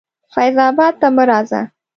فیض آباد ته مه راځه.